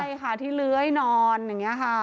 ใช่ค่ะที่เลื้อยนอนอย่างนี้ค่ะ